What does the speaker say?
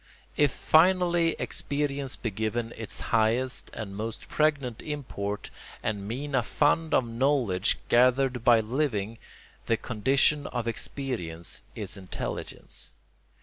If finally experience be given its highest and most pregnant import and mean a fund of knowledge gathered by living, the condition of experience is intelligence.